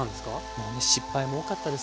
もうね失敗も多かったですよ。